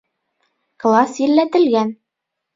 Класс елләтелгән